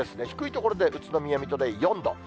低い所で宇都宮、水戸で４度。